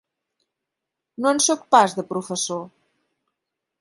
No en soc pas, de professor.